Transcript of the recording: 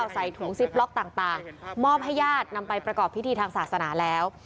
ใส่ถุงซิปล็อกต่างมอบให้ญาตินำไปประกอบพิธีทางศาสนาแล้ว